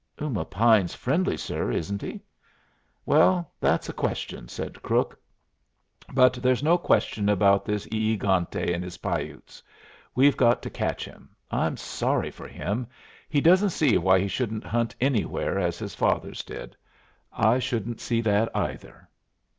"Uma Pine's friendly, sir, isn't he?" "Well, that's a question," said Crook. "But there's no question about this E egante and his Pah Utes. We've got to catch him. I'm sorry for him. He doesn't see why he shouldn't hunt anywhere as his fathers did. I shouldn't see that either."